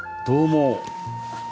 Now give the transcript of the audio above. どうも。